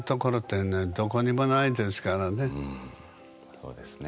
そうですね。